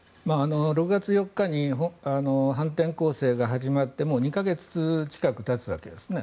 ６月４日に反転攻勢が始まって２か月近くたつわけですね。